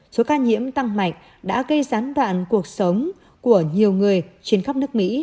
số ca nhiễm tăng mạnh đã gây gián đoạn cuộc sống của nhiều người trên khắp nước mỹ